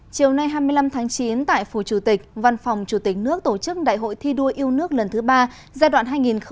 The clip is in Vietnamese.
chiều nay hai mươi năm tháng chín tại phủ chủ tịch văn phòng chủ tịch nước tổ chức đại hội thi đua yêu nước lần thứ ba giai đoạn hai nghìn hai mươi hai nghìn hai mươi năm